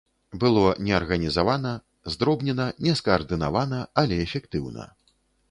Было неарганізавана, здробнена, нескаардынавана, але эфектыўна.